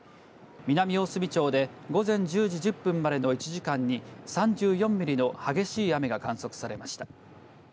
南大隅町で午前１０時１０分までの１時間に３４ミリの激しい雨が観測されました。